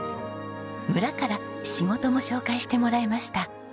村から仕事も紹介してもらえました。